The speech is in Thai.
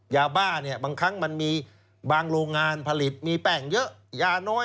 ยาบ้าเนี่ยบางครั้งมันมีบางโรงงานผลิตมีแป้งเยอะยาน้อย